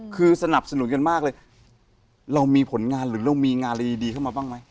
คือสนับสนุนกันมากเลยเรามีผลงานหรือเรามีงานอะไรดีเข้ามาบ้างไหม